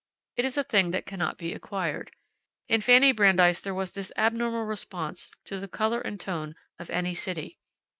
It is a thing that cannot be acquired. In Fanny Brandeis there was this abnormal response to the color and tone of any city.